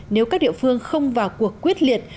nếu các địa phương không vào cuộc quyết liệt